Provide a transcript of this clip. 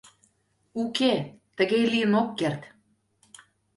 Уке, тыге лийын ок керт.